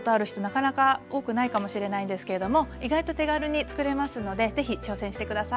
なかなか多くないかもしれないんですけれども意外と手軽につくれますので是非挑戦して下さい。